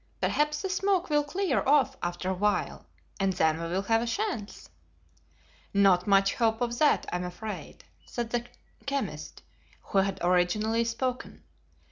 "Perhaps the smoke will clear off after a while, and then we will have a chance." "Not much hope of that, I am afraid," said the chemist who had originally spoken.